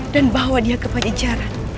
dan bawa dia ke jaran